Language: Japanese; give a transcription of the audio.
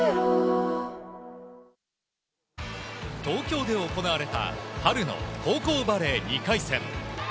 東京で行われた春の高校バレー２回戦。